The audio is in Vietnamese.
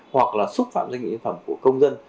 hoặc là xúc phạm doanh nghiệp yên phẩm của công dân